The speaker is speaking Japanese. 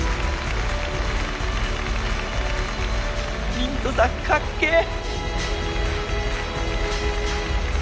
ミントさんかっけぇ！